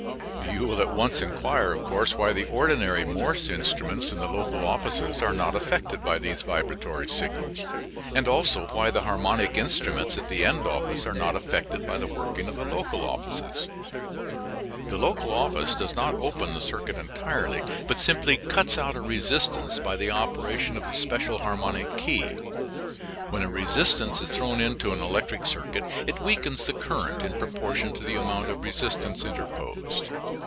You will at once inquire why the ordinary Morse instruments in the local offices are not affected by these vibratory signals, and also why the harmonic instruments at the end office are not affected by the working of the local offices. The local office does not open the circuit entirely, but simply cuts out a resistance by the operation of the special harmonic key. When a resistance is thrown into an electric circuit it weakens the current in proportion to the amount of resistance interposed.